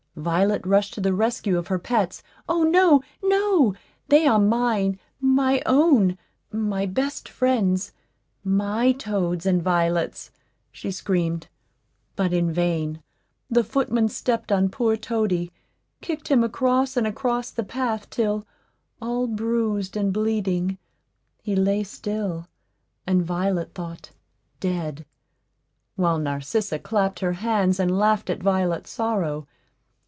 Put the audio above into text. Violet rushed to the rescue of her pets. "O, no, no! they are mine my own my best friends my toads and violets!" she screamed. But in vain. The footman stepped on poor Toady, kicked him across and across the path, till, all bruised and bleeding, he lay still, and, Violet thought, dead, while Narcissa clapped her hands and laughed at Violet's sorrow.